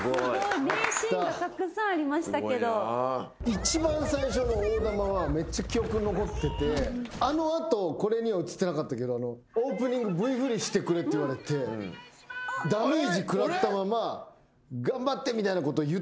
一番最初の大玉はめっちゃ記憶に残っててあの後これには映ってなかったけど「オープニングＶ振りしてくれ」って言われてダメージ食らったまま「頑張って」みたいなこと言った瞬間に。